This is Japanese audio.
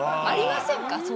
ありませんか？